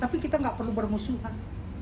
tapi kita nggak perlu bermusuhan